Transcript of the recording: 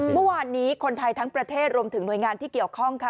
เมื่อวานนี้คนไทยทั้งประเทศรวมถึงหน่วยงานที่เกี่ยวข้องค่ะ